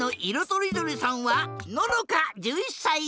とりどりさんはののか１１さい。